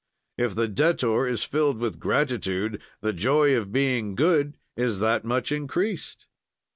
If the debtor is filled with gratitude, the joy of being good is that much increased.